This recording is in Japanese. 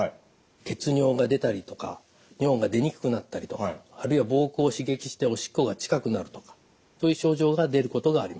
血尿が出たりとか尿が出にくくなったりとかあるいは膀胱を刺激しておしっこが近くなるとかという症状が出ることがあります。